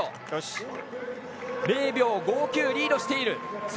０秒５９リードしている。